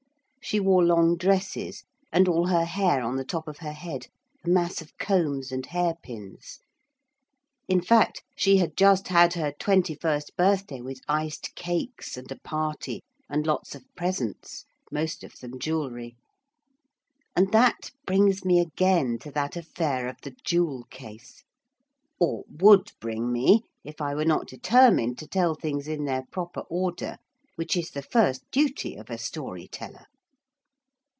She wore long dresses and all her hair on the top of her head, a mass of combs and hairpins; in fact she had just had her twenty first birthday with iced cakes and a party and lots of presents, most of them jewelry. And that brings me again to that affair of the jewel case, or would bring me if I were not determined to tell things in their proper order, which is the first duty of a story teller.